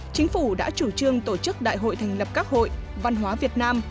chính phủ đã chủ trương tổ chức đại hội thành lập các hội văn hóa việt nam